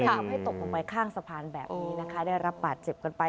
ทำให้ตกลงไปข้างสะพานแบบนี้นะคะได้รับบาดเจ็บกันไป